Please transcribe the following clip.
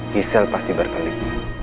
gisel pasti berkelip